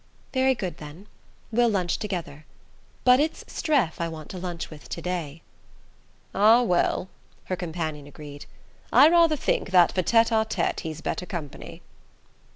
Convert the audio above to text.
"Very good, then; we'll lunch together. But it's Streff I want to lunch with to day." "Ah, well," her companion agreed, "I rather think that for a tête à tête he's better company."